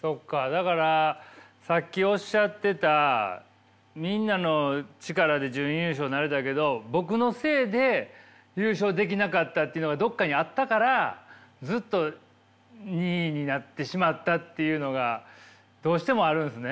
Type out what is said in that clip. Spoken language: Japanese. だからさっきおっしゃってたみんなの力で準優勝なれたけど僕のせいで優勝できなかったというのがどこかにあったからずっと２位になってしまったっていうのがどうしてもあるんですね。